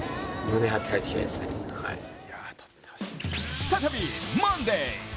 再びマンデー！